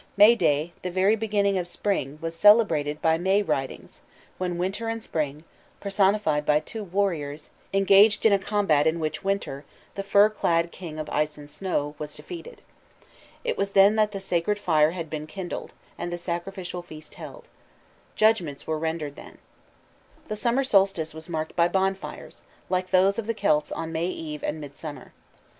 May Day, the very beginning of spring, was celebrated by May ridings, when winter and spring, personified by two warriors, engaged in a combat in which Winter, the fur clad king of ice and snow, was defeated. It was then that the sacred fire had been kindled, and the sacrificial feast held. Judgments were rendered then. The summer solstice was marked by bonfires, like those of the Celts on May Eve and Midsummer.